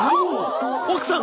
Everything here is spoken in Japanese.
奥さん！